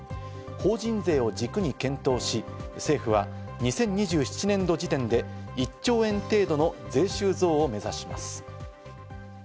法人税を軸に検討し、政府は２０２７年度時点で、１兆円程度の税収増を目指します。